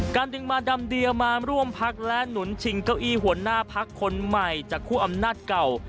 ดึงมาดำเดียมาร่วมพักและหนุนชิงเก้าอี้หัวหน้าพักคนใหม่จากคู่อำนาจเก่า